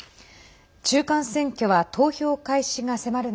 中間選挙は投票開始が迫る